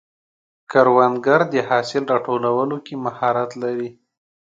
کروندګر د حاصل راټولولو کې مهارت لري